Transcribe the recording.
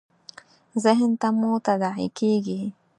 ذهن ته مو تداعي کېږي .